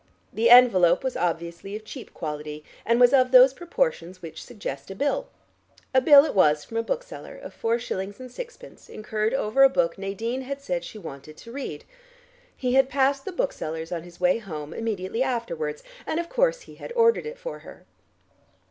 The envelope was obviously of cheap quality, and was of those proportions which suggest a bill. A bill it was from a bookseller, of four shillings and sixpence, incurred over a book Nadine had said she wanted to read. He had passed the bookseller's on his way home immediately afterwards and of course he had ordered it for her.